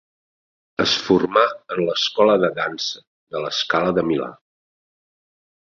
Es formà en l'escola de dansa de La Scala de Milà.